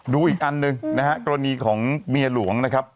ดูอีกอันหนึ่งนะฮะกรณีของเมียหลวงนะครับ